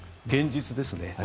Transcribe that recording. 現実ですね。